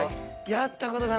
やったことがない。